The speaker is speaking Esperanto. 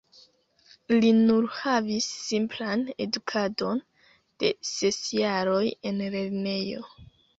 Li nur havis simplan edukadon de ses jaroj en lernejo.